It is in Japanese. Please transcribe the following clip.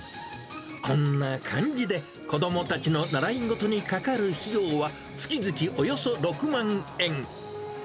こんな感じで子どもたちの習い事にかかる費用は、月々およそ６万円。